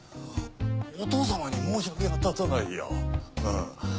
お父様に申し訳が立たないようん。